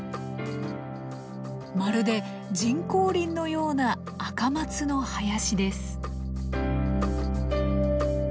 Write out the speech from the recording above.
まるで人工林のようなアカマツの林です。